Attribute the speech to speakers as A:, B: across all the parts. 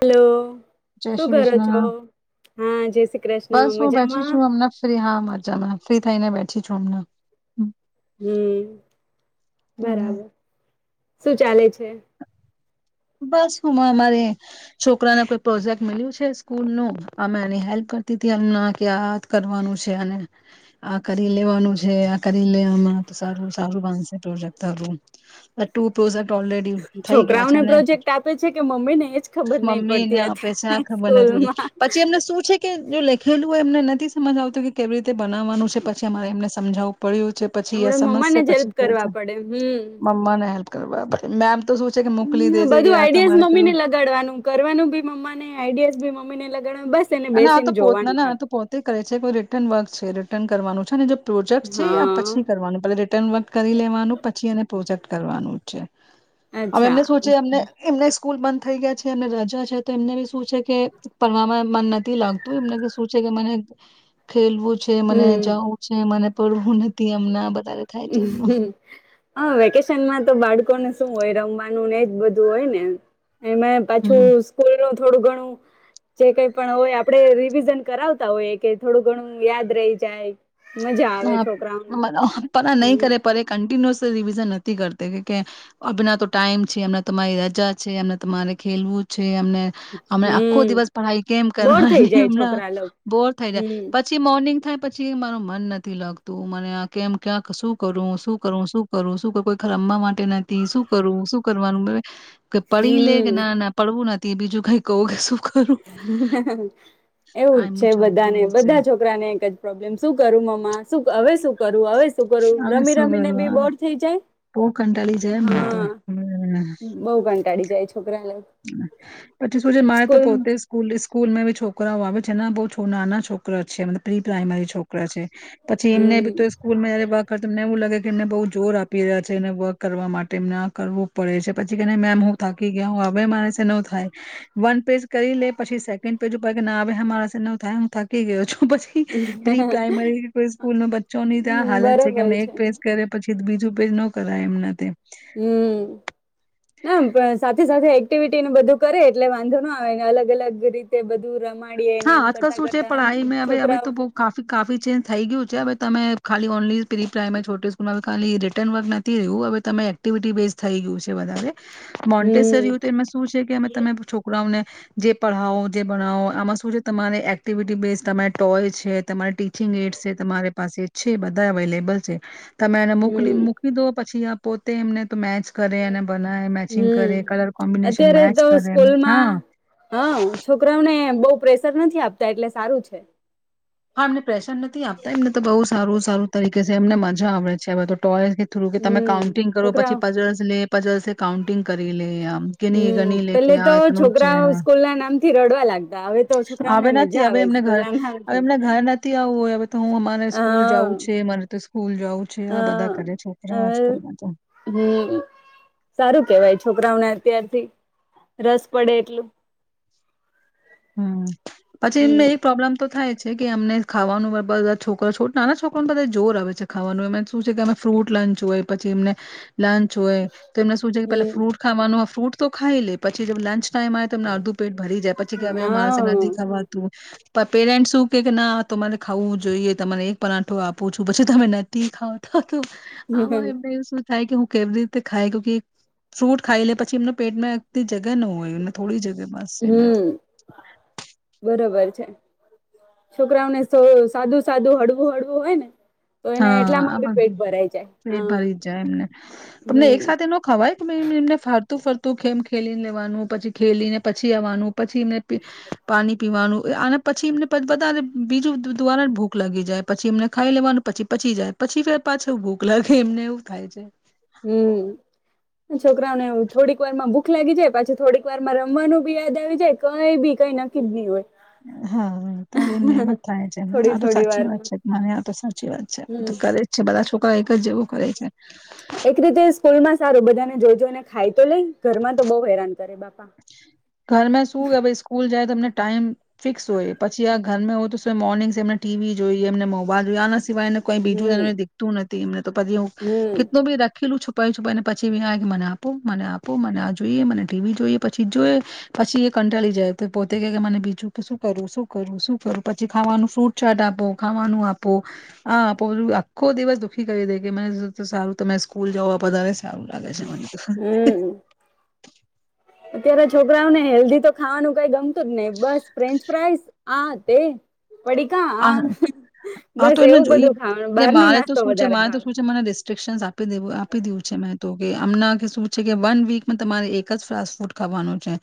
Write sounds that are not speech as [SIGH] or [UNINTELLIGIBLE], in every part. A: Hello
B: જય
A: શું
B: શ્રી
A: કરો છો
B: કૃષ્ણ
A: હા જય શ્રી કૃષ્ણ
B: બસ હું બેઠી
A: મજામાં.
B: છું હમણાં ફ્રી હા મજામાં ફ્રી થઈને બેઠી છું અમને
A: હમ
B: અને
A: બરાબર. શું ચાલે છે.
B: બસ હું અમારે છોકરાને કોઈ પ્રોજેક્ટ મ્યું છે સ્કૂલ ન અમે એની હેલ્પ કરતી હતી એમ કે આ કરવાનું છે અને આ કરી. લેવાનું છે આ કરી લેમાં તો સારું સારું બાંધશે. જતા રૂમ ટુ પ્રોઝેક્ટ ઓલરેડી થઈ ગયા છે અને
A: પે છે કે મમ્મીને એ જ ખબર નહી
B: મમ્મીને
A: પડતી
B: આપે છે આ
A: હતી
B: ખબર નથી બધી
A: સ્કૂલમાં.
B: પછી એમને શું છે જો લખેલું હોય એમને નથી સમજ આવતું કે કેવી રીતે બનાવવાનું છે પછી અમારે એમને સમજો. પડ્યું છે પછી
A: આપડે મમ્માને જ
B: સમજશે
A: હેલ્પ કરવા
B: પછી
A: પડે હમ હમ,
B: મમ્માને હેલ્પ તબ મેમ તો શું છે કે મોકલી દે. છે કે
A: બધું
B: આ
A: આઈડિયાઝ
B: તમારે
A: મમ્મીને
B: કરવું
A: લગાડવાનું કરવાનું બી મમ્માને, આઈડિયાઝ બી મમ્મા ને ને લગણ
B: અને આ તો પોત ના ના આ તો પોતે કરે છે કોઈ રિટર્ન વર્ક છે રિટર્ન કરવાનું છે ને જે પ્રોજેક્ટ છે આ
A: હા
B: પછી કરવાનું. પેલે રિટર્ન વર્ક કરી લેવાનું પછી એને પ્રોજેક્ટ કરવાનું. છે. અમે
A: અચ્છા
B: એમને સોચે એમને એમનેસ સ્કૂલ બંધ થઈ ગયા છે અને રજા છે તો એમને બી શું છે કે પવામાં મન ન થી લાગતું એમને કે શું છે કે મને ખેલવું છે મને
A: હમ
B: જવું છે મને પડવું નથી એમના. વધારે થાય છે એમનું
A: હમ્મ હા વેકેશનમાં તો બાળકોને શું હોય રમવાનું ને એ જ બધું હોય ને. એમાએ પાછું
B: હમ
A: સ્કૂલ રો થોડું ઘણું જે કઈ પણ હોય આપણે રિવિઝન કરાવતા હોયએ કે થોડું ઘણું યાદ રહી જાય. મજા આવે છોકરાઓને.
B: પન આ નહી
A: હમ
B: કરે પર એ કન્ટિન્યુસ સ રિવિઝન નથી કરતે કે કે અપના તો ટાઈમ છે એમ તમારી રજા છે એમને તમારે ખેલવું છે એમને એ અમે આખો
A: હમ
B: દિવસ પડાઈ કેમ
A: બોર થઈ
B: કરવાની
A: જાય
B: હમણાં
A: છોકરા લોક
B: બોર થઈ જાય
A: હમ
B: પછી મોર્નિંગ થાય પછી માર મન નથી લાગતું મને આ કેમ ક્યાંક શું કરું શું કરું શું કરું શું કોઈર રમવા માટે નથી શું કરું શું કરવાનું. કે પડી લે
A: હમ
B: કે ના ના પડવું નથી. તે બીજું કઈ કહું સુ.
A: એવું જ છે
B: આમનું ચાલતું
A: બધાને
B: હોય છે
A: બધા છોકરાને એક જ પ્રોબ્લેમ શું કરું મ હવે શું કરવું હવે સુ શું કરું રમી રમી ને બી બોર થઈ જાય.
B: પો કંટાળી જાય એમને તો
A: કાઢી જાય છે.
B: પછી શું છે મારે તો
A: સ્કૂલ
B: પોતે સ્કૂલ સ્કૂલ મેં ભી છોકરાઓ આવે [UNINTELLIGIBLE] બહુ છો નાના છોકરા છે મ પ્રી પ્રાાઈમરી છોકરા છે. પછી એમને બી તો
A: હમ
B: સ્કૂલમાં જયારે બાહ કરે તમને એવું લાગે કે એમને બઉુ જોર આપે. પૈદા થઈ ને વર્ક કરવા માટે એમને કરવું પડે છે પછી કેને મૈ બહું થાકી ગયા હું. મારાસી ન થાય વન પેજ કરી લે પછી સેકન્ડ પેજ કે નાે હમા સ ન થાય હું થ કે ગયો છું. પછી પ્રી
A: હમ
B: પ્રાઈમરી કોઈ સ્કૂલ ન બચ્ચો ની ત્યાં હાલત છે કે એમને એક પ્રેસ કરે પછી બીજું પેજ ન કરાય એમનાથી
A: હમ ના પણ સાથે સાથે એક્ટિવિટી નું બધું કરે એટલે વાંધો ન આવેને અલગ અલગ રીતે બધું રમા
B: હા આજકાલ શું છે પઢાઈ મે હવે-હવે તો બૌં કાફી-કાફી ચેન્જ થઈ ગયું છે હવે તમે ખાલી ઓનલી પ્રિ પ્રાઈમે છોટી સ્કૂલમાં ખાલી રિટર્ન વર્ક નથી રહ્યું હવે તમે એક્ટિવિટી બેઝ થઈ ગયું છે વધારે
A: હમ
B: મોન્ટેસરય તો એમાં શું છે કે અમે તમે છોકરાઓને જે પઢાવો જે બનાાવો આમાં સૂં શું છે તમારે એક્ટિવિટી બેઝ તમારે ટોય છે તમારી ટી [UNINTELLIGIBLE] સે તમારે પાસે છે બધા અવેલેબલ છે તમે એને મોકલી
A: હમ
B: મૂકી દો પછી આ પોતે એમને મેચ કરે અને બનાય મેચિંગ
A: હમ
B: કરે કલર કોમ્બિનેશન
A: અત્યારે
B: મેચ
A: તો
B: કરે એમ, હા
A: સ્કૂલમાં શર નથી આપતા એટલે સારું છે
B: હા એમને પ્રેશર નથી આપતા એમને તો બહુ સારું-સારું તરીકે છે એમને મજા આવડે છે હવે તો ટોય થોડૂ કે તમે
A: હમ
B: કાઉન્ટિંગ કરો
A: છોકરાઓ
B: પછી પજસ લે પ જલસે કાઉન્ટિંગ કરી લે આ આમ કે ની
A: હમ્મ
B: ગણી લે કે
A: પેલે તો
B: એનું છે
A: છોકરાઓ સ્કૂલ ના નામ થી રડવા લાગતા હવે તો છોકરાઓને
B: હવે
A: મજા
B: નથી હવે
A: આવે
B: એમને
A: સ્કૂલ
B: ઘર
A: ના નામ
B: હવે એમને ઘર નથી આવવું હોય હવે તો હું અમારે સ્કૂલ
A: હા
B: જઉું છે મને તો ફૂલ.
A: અ અ
B: તો
A: હમ સારું કેવાય છે છોકરાઓ ને ત્યારથી રસ પડે એટલું.
B: હમ્મ. પછી એમને
A: હમ
B: એ પ્રોબ્લેમ તો થાય. છે કે અમને ખાવાનું [UNINTELLIGIBLE] છોકરા છો નાના છોકરાને બધા જોર આવે છે ખાવાનું એમા શું છે કે અમેને ફ્રૂટ લંચ હોય પછી એમને લંચ હોય તો એમને શું છે કે પે
A: હમ
B: ફ્રૂટ ખાવાનું ફ્રૂટ તો ખાઈ લે પછી લંચ. [UNINTELLIGIBLE] માં તમને અડધું પેટ ભરી જાય પછી કે હવે
A: હા
B: માણસે નથી ખવાતું. પેરેન્ટ શું કે કે ના તમારે ખાવું જોઈએ તમારે એક પરાઠો આપું છું પછી તમે નથી ખાવ તો. આવા એમું. થાય કે હું કેવી રીતે ખાય [UNINTELLIGIBLE] ફ્રૂટ ખાઈ લે પછી એમ પેટમાં [UNINTELLIGIBLE] જગ્યા ન હોય એને થોડી જગ્યા બસ છે એમાં તો.
A: હમ બરોબર છે. છોકરાઓને સાદું સાદું હળવું હળવું હોય ને તો એને
B: હા, આ
A: એટલામાં
B: બ
A: બી પેટ ભરાઈ જાય
B: પેટ
A: હા
B: ભરી જ જાય એમને. તેમને એક
A: હમ
B: સાથે એ ન ખવાય કે એમને ફરતું ફરતું ખેમ ખેલીને લેવાનું પછી, ખેલીને પછી આવવાનું પછી એને પાણી પીવાનું અને પછી એમને [UNINTELLIGIBLE] બધાને બીજું દ્વારને ભૂખ લાગી જાય, પછી એમને ખાઈ લેવાનું. પછી પચી જાય, પછી પાછું ભૂખ લાગે એમને એવું થાય છે.
A: હમ્મ. છોકરાઓ ને એવું થોડીક વાર માં ભૂખ લાગી જાય, પછી થોડીક વાર માં રમવાનું બી યાદ આવી જાય, કઈ બી કઈ નક્કીજ ની હોય.
B: હા, તારે એમને એમ જ થાય છે,
A: થોડી
B: આ તો
A: થોડી
B: સાચી વાત
A: વારમાં
B: છે, મને આ તો સાચ સાચી વાત છે, તો
A: હમ
B: કરે જ છે, બધા છોકરા એક જ જેવું કરે છે.
A: એક રીતે સ્કૂલમાં સારું બધાને જોઈ જોઈ ને ખાઈ તો લે ઘરમાં તો બહુ હેરાન કરે બાપા
B: ઘરમાં શું કે ભાઈ સ્કૂલ જાય તેમણે ટાઈમ ફિક્સ હોય, પછી આ ઘર મેં હોય મોર્નિંગ એમને ટીવી જોઈએ, એમને મોબાઈલ જોઈએ, આના સિવાયને કોઈ
A: હમ
B: બીજું એ દીખતું નથી એમને તો પછી હું
A: હમ
B: કેટલું બી રાખીલ છું પ છુંને પછી વ કે મને આપું મને આપું મને આ જોઈએ મને ટીવી જોઈએ પછી જોઈએ પછી એ કંટાળી જાય તો પોતે કે મને બીજું કે શું કરું, શું કરું, શું કરું પછી ખાવાનું ફ્રૂટ છાટ આપો, ખાવાનું આપો આ આખો દિવસ દુઃખી કરી દે કે મને સારું તમે સ્કૂલ જાવઓ વધારે. સારું લાગે છે મને તો.
A: હમ અત્યારે છોકરાઓને હેલ્ધી તો ખાવાનું કઈ ગમતું જ ને બસ ફ્રેન્ચ ફ્રાઈસ આ તે. પડીકા આ
B: હા
A: બસ
B: તો એમને
A: એવું
B: જોઈએ
A: બધું ખાવા બાર નો નાસ્તો વધારે ભાવ.
B: સ્ટ્રિકશન્સ આપી દેવા દે આપી દીવું છે મેં તો કે અમનાં કે શું છે કે વન વીકમાં તમારે એક જ ફાસ્ટ ફૂડ ખાવાનું છે.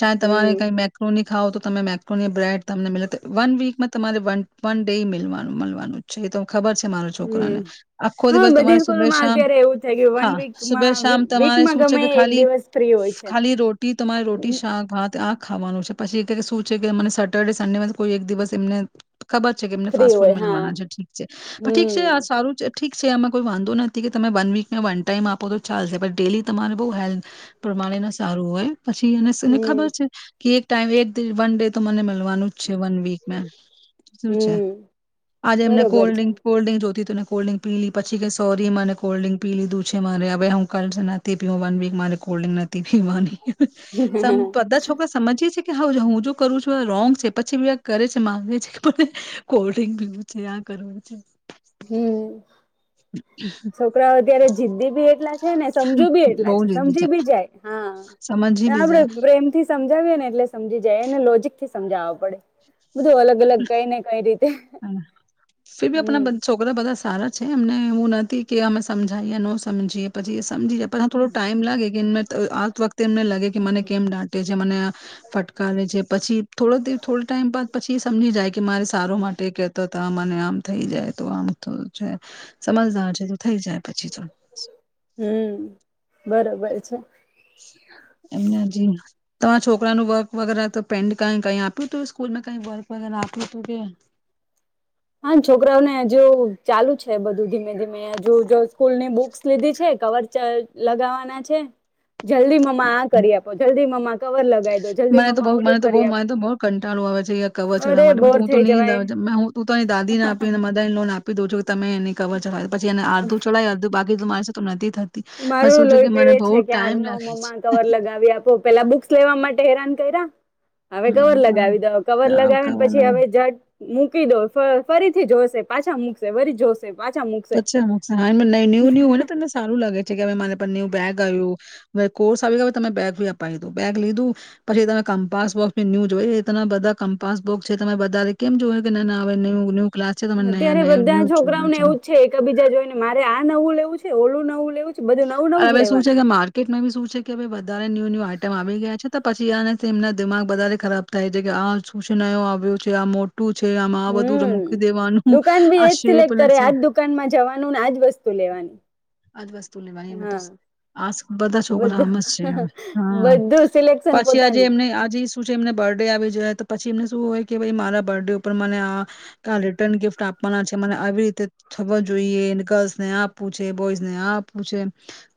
B: ચાહે તમારે
A: હમ
B: કઈ મેક્રોનિ ખાવ તો તમે મેક્રો બ્રેડ તમને મ વન વીકમાં તમારે. વન ડે મિલિવા મળવાનું છે તો. ખબર છે મારો
A: હમ
B: છોકરાને આખો
A: હા
B: દિવસ તમારે
A: બધી
B: સુભ
A: સ્કૂલમાં
B: શામ
A: અત્યારે એવું છે કે વન
B: હા સુબ
A: વીકમાં
B: શામ તમારે
A: વીકમાં
B: શું છે
A: ગમે
B: કે
A: એ એક
B: ખાલી
A: દિવસ ફ્રી હોય છે
B: ખાલી રોટી તમારી રોટી શાક હા આખ. ખાવાનું છે પછી ક શું છે કે મને સેટરડે સન્ડે માં કોઈ એક દિવસ એમને. ખબર છે કે એમને
A: ફ્રી
B: ફાસ્ટ ફૂડ
A: હોય હા
B: મેલવાના છે ઠીક છે પણ ઠીક
A: હમ
B: છે આ સારું છે. ઠીક છે એમાં કોઈ વાંધો નથી કે તમે વન વીકમાં વન ટાઈમ આપો તો ચાલશે પણ ડેલી તમારે બહુ હેલ્થ પ્રમાણે ન સારું હોય. પછી એને ને
A: હમ
B: ખબર છે. કે એક ટાઈમ એક વન ડે તો મને મળ વા નું જ છે વન વીક મા. શું છે.
A: હમ
B: આજ એમને
A: બરોબર
B: કોલ્ડ
A: છે
B: ડીંગ, ફોલ્ડ ડીંગ જોતી તોને કોલ્ડ્રિક પી લી પછી કઈ સોરી મને કોલ્ડ્ર્રીક પી લીધું છે મારે હવે હું કલ નથી પી વન વીક મારે કોલ્ડ્ર્રીંગ નથી પીવાની. સમ બધા છોકરા સમજીએ છી કે હઉ લો હું જો કરું છું આ રોંગ છે પછી બી કરે છે માગે છે. કોલ્ડ્રિંક પીવું છે, આ કરવું છે.
A: હમ છોકરાઓ અત્યારે જિદદી બી એક છે ને સમજુ બી એટલા
B: બહુ
A: છે
B: જીદી
A: સમજી બી જાય. હા તે
B: સમજી બી
A: આપડે
B: જાય
A: પ્રેમથી સમજાવીએને એટલે સમજી જાય એને લોજિક કે સમજાવ પડે. બધું અલગ અલગ કઈ ને કઈ રીત
B: હા ફિરભી આપના બન છો. બધા બધા સારા છે. એમને એવું નથી કે અમે સમજાઈએ નો સમજીએ પછી સમજી જાય પર આ થોડો ટાઈમ લાગે કે એમને આત વખતે એમને લાગે કે મને કેમ ડાંટે છે મને આ ફટકાવે છે પછી થોડોક દીવ થોડોક ટાઈમ બાદ પછી એ સમજી જાય કે મારે સારો માટ કેતો તો આ મને આમ થઈ જાય તો આમ છે સમજદાર છે તો થઈ જાય પછી તો.
A: હમ્મ, બરોબર છે.
B: એમને હજી તમારા છોકરા નું વર્ક વગેરે તો પેન્ડ કાઈ કાઈ આપ્યું તું સ્કૂલમાં કાઈ વર્ક વગેરા કાઈક આપ્યું તું કે
A: હા, છોકરાઓને જો ચાલુ છે બધું ધીમ લીધી મેં જો જો સ્કૂલ ની બુક્સ લીધી છે. કવર લગાવવાના છે. જલ્દી મમ્મા આ કરી આપો જલ્દી મમ્મા કવર લગાવી દો જલ્દી
B: મને તો બઉ
A: મમ્મા ઓલું
B: મને તો
A: કરી
B: બહ મને
A: આપો
B: તો બહ કંટાળું આવે છે કવર ચડવા
A: અરે
B: માટે
A: બોર
B: હું તો
A: થઈ
B: નીંદ
A: જવાય
B: આવે જઈ મેં હું તો ની દાદીને આપીને મધા લોન આપી દો જો. તમે એની કવર જવા પછી અડધું ચડાઈ અર્ધ બા તમારે છે તો થતી પણ
A: મારું
B: શું છે કે
A: લોહી
B: મને
A: પીવે
B: બહુ
A: છે
B: ટાઈમ
A: ક્યારનું
B: લાગે છે
A: મ્મા કવર લગાવી આપો પેલા બુક્સ લેવા માટે હેરાન કયર. હવે કવર
B: હમ્મ
A: લગાવી દો, કવર
B: અ ક
A: લગાવીને પછી
B: કવરનો
A: હવે જટ મૂકી દો ફરીથી જોશે પાછા મૂકશે ફરી જો
B: પછી અમુકાને ન્યું ન્યુ હોય ને તમને સારું લાગે. કે માને ન્યુ બેગ આવ્યું કોર્સ આવી ગયો તમે બેગ ભી અપાવીધું બેગ લીધું પછી, તમે કમ્પાસ બોક્સ ન્યુ જોય એ ત બધા કમ્પાસ બોક્સ છે તમે બધા કેમ જોય કે ના ના આવે ન ન્યુ ક્લાસ છે તને ન
A: અત્યારે
B: ન
A: બધા છોકરાઓને
B: જો
A: એવું છે એકબીજા જોઈ ને મારે આ નવું લેવું છે ઓલું નવું લેવું છે. બધું નવું નવું જ
B: હવે શું છે
A: લેવાનું
B: કે માર્કેટમાં બી શું છે કે વધારે ન્યુ ન્યુ આઈટમ આવી ગયા છે. પછી આને એમના દિમાગ વધારે ખરાબ થાય છે કે આ સૂચના આવ્યું છે આ છે આમાં આ બધું
A: હમ
B: મૂકી દેવાનું
A: દુકાન ભી
B: આ
A: એજ
B: શેપ
A: સિલેક્ટ
B: અલગ
A: કરે
B: છે
A: આજ દુકાનમાં જવાનું ને આજ વસ્તુ લેવાની
B: આજ વસ્તુ
A: હા
B: બધા છોકરા નામ જ
A: બધું
B: છે હા
A: બધું સિલેક્શન
B: પછી આજે
A: પોતાનું
B: એમને આજે શું છે એમને બર્થડે આવી જાય તો પછી એમ શ હોય કે મારા બર્થડે ઉપર મને આ રિટર્ન ગિફ્ટ આપવાના છે મને આવી રીતે થવા જોઈએ ગર્લ્સને આપવું છે બોઈઝને પૂછે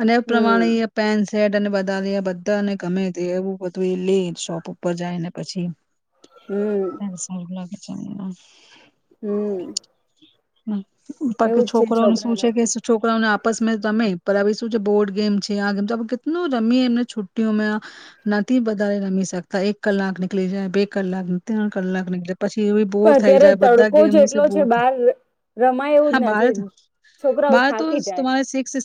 B: અને એ
A: હમ
B: પ્રમાણે અ પેન સેટ અને બધા બધાને ગમે. તે એવું બધું એ લઈ શોપ ઉપર જાય ને પછી
A: હમ
B: ત સ લ અછ
A: હમ.
B: બાકી
A: એવું જ છે
B: છોકરોને શું
A: છોકરા
B: છે કે
A: લોકો
B: છોકરાઓને આપ પસ રમે શું છે બોર્ડ ગેમ છે આ ગમ આપ કેટલું રમીએ એમને છુટ્ટીઓમાં નથી બારે રમી શકતા એક કલાક નીકળી જાય બે કલાક ત્રણ કલાક નીકળી જાય.
A: પણ અત્યારે
B: બધા
A: તડકો જ
B: ગેમો થી
A: એટલો છે
B: બોર થાય
A: બાર રમાય એવું
B: હા
A: જ
B: બાર
A: નથી છોકરાઓ થાકી જાય.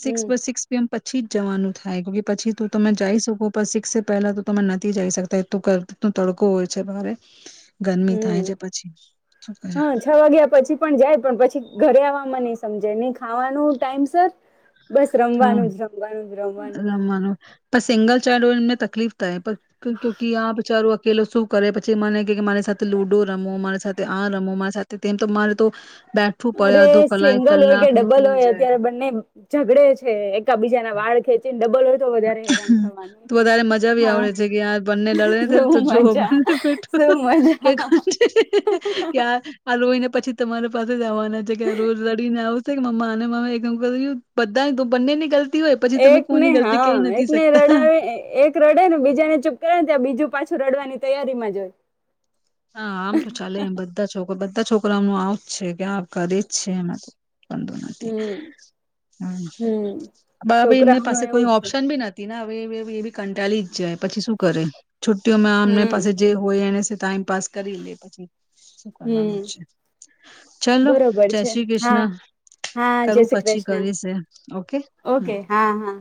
B: સિકસ
A: હમ
B: પર સિકસ પી પછીજ જવાનું થાય, કે પછી ત તમે જઈ શકો પણ સિક્સ પહેલા તો તમે નથી જઈ શકતા એું તડકો હોય છે તમારે
A: હમ્મ, હા, છ વાગ્યા પછી પણ જાય, પણ પછી ઘરે આવ મા ની સમજે, ની ખાવાનું ટાઈમ સર બસ
B: હા
A: રમવાનું જ રમવાનું. જ જ.
B: રમવાનું, પણ સિંગલ બચારોને તકલીફ થાય, આ બચારો અકેલો શું કરે પછી મને કે મારી સાથે લુડો રમો, મારી સાથે આ રમો, મારી સાથે તે, તો મારે તો બેઠવું પડે અડધો
A: અરે
B: કલાક
A: સિંગલ હોય કે
B: કલાક
A: ડબલ
B: નીકળી
A: હોય
B: જાય
A: અત્યારે બંને ઝઘડે છે એકબીજાના વાળ ખેચ ડબલ તો વધારે હેરાન થવાનું
B: તો વધારે મજા ભી
A: હા
B: આવડે છે કે બંને લડે તો
A: શું
B: જોવઠો
A: મજા શું મજા
B: [UNINTELLIGIBLE] આ લોઈ ને પછી તમારે. પાસે રહેવાની જગ્યા રોજ લડીને આવ [UNINTELLIGIBLE] બન્ને ને [UNINTELLIGIBLE] ગલતી હોય પછી તમે
A: એકને
B: કોની ગલતી
A: હા,
B: કહી નથી
A: એકને
B: શકતા
A: રડાવે એક રડે ને બીજા ને ચુપ કરાવે ત્યા બીજું પાછું રડવાની તૈયારી માં જો હોય.
B: હા આમ તો ચાલે એમ બધા છોકધા [UNINTELLIGIBLE] છોકરાઓનું આવજ છે, કે આવકારે જ છે, એમાં તો નથી
A: હમ હમ
B: હ ભાઈ એમને
A: છોકરાઓનું
B: પાસે
A: એવું
B: કોઈ
A: જ છે
B: ઓપ્શન બી નથી [UNINTELLIGIBLE] હવે એ બી કંટાલીી જ જાય પછી શું કરે [UNINTELLIGIBLE] છુ્ટીમાં અમને
A: હમ
B: પાસે જે હોય એને [UNINTELLIGIBLE] તામ પાસ કરી લે પછી [UNINTELLIGIBLE] શું કરવાનું
A: હમ
B: છે, ચલોો
A: બરોબર
B: જય
A: છે
B: શ્રી
A: હા
B: કૃષ્ણ
A: હા જય
B: કરું
A: શ્રી
B: પછી
A: કૃષ્ણ
B: કરી છે, ઓકે હમ
A: ઓકે હા હા